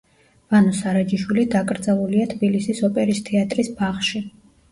ვანო სარაჯიშვილი დაკრძალულია თბილისის ოპერის თეატრის ბაღში.